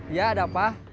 iya ada apa